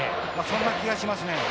そんな気がしますね。